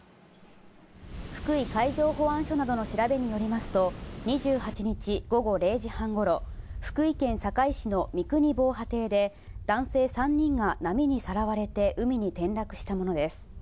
福井海上保安署などの調べによりますと、２８日午後０時半ごろ、福井県坂井市の三国防波堤で男性３人が波にさらわれて海に転落したものです。